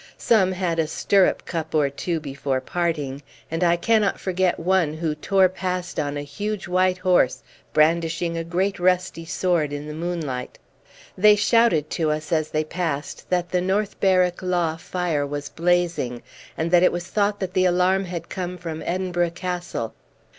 Some had a stirrup cup or two before parting, and I cannot forget one who tore past on a huge white horse, brandishing a great rusty sword in the moonlight. They shouted to us as they passed that the North Berwick Law fire was blazing, and that it was thought that the alarm had come from Edinburgh Castle.